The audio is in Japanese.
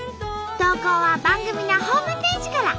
投稿は番組のホームページから。